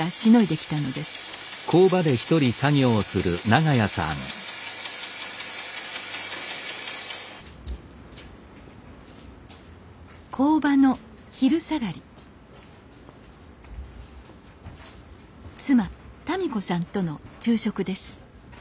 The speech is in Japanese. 妻・たみ子さんとの昼食です